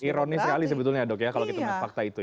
ironis sekali sebetulnya dok ya kalau kita melihat fakta itu ya